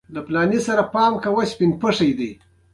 زه مسلمان لالي ته فکر وړې يمه